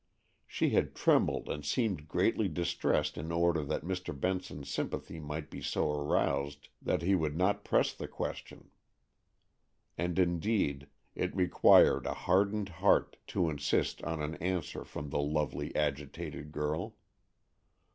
She had trembled and seemed greatly distressed in order that Mr. Benson's sympathy might be so aroused that he would not press the question. And indeed it required a hardened heart to insist on an answer from the lovely, agitated girl.